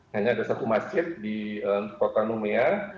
hanya ada satu masjid di kota numea